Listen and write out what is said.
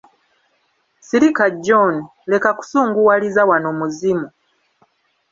Sirika John, leka kusunguwaliza wano muzimu.